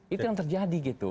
itu yang terjadi gitu